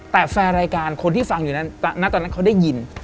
แต่แฟนรายการคนที่ฟังอยู่ณตอนนั้นเขาได้ยิน